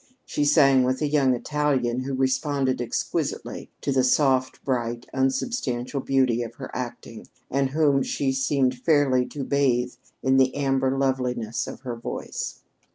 She sang with a young Italian who responded exquisitely to the swift, bright, unsubstantial beauty of her acting, and whom she seemed fairly to bathe in the amber loveliness of her voice.